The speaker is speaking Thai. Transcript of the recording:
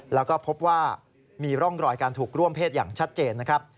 แล้วก็พบว่ามีร่องรอยการถูกร่วมเพศอย่างชัดเจนนะครับ